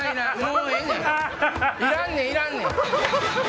いらんねんいらんねん。